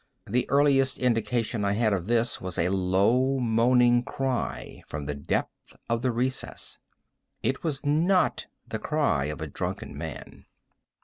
The earliest indication I had of this was a low moaning cry from the depth of the recess. It was not the cry of a drunken man.